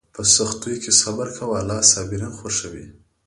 په سختیو کې صبر کوه، الله صابرین خوښوي.